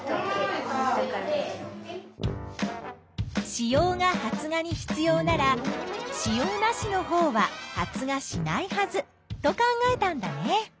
子葉が発芽に必要なら子葉なしのほうは発芽しないはずと考えたんだね。